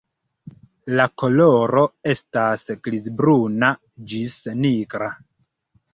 La koloro estas grizbruna ĝis nigra.